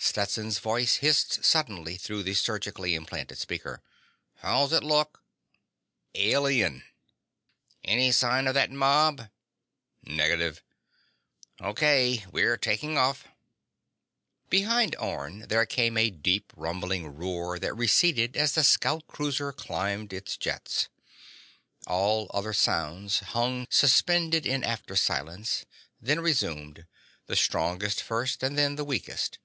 Stetson's voice hissed suddenly through the surgically implanted speaker: "How's it look?" "Alien." "Any sign of that mob?" "Negative." "O.K. We're taking off." Behind Orne, there came a deep rumbling roar that receded as the scout cruiser climbed its jets. All other sounds hung suspended in after silence, then resumed: the strongest first and then the weakest.